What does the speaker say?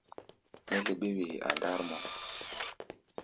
Nɛ́ léɓé-wee a ndár mɔ.